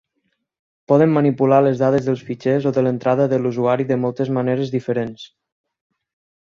Poden manipular les dades dels fitxers o de l'entrada de l'usuari de moltes maneres diferents.